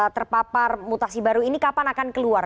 terpapar mutasi baru ini kapan akan keluar